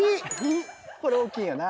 これ大きいよな。